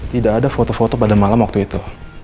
tidak ada foto foto pada malam waktu itu